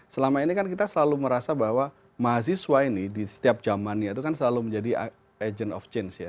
selama ini kan kita selalu merasa bahwa mahasiswa ini di setiap zamannya itu kan selalu menjadi agent of change ya